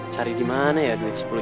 cari di mana ya duit sepuluh